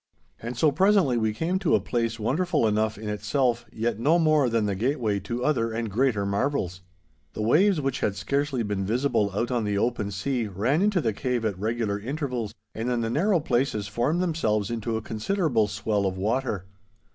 And so presently we came to a place wonderful enough in itself, yet no more than the gateway to other and greater marvels. The waves which had scarcely been visible out on the open sea ran into the cave at regular intervals, and in the narrow places formed themselves into a considerable swell of water.